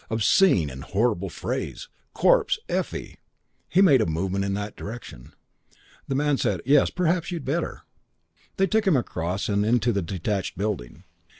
Obscene and horrible phrase! Corpse! Effie!" He made a movement in that direction. The man said, "Yes, perhaps you'd better." They took him across and into the detached building.